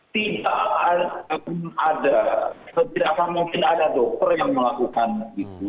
tidak akan ada tidak akan mungkin ada dokter yang melakukan itu